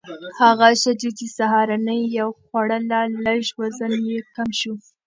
هغه ښځې چې سهارنۍ یې خوړله، لږ وزن یې کم شو.